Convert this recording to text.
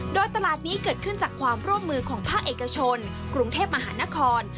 โดยตลาดนี้เกิดขึ้นจากความร่วมมือของภาคเอกชนกรุงเทพมหานคร